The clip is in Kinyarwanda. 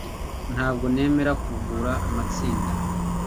Ntabwo nemera kuvura amatsinda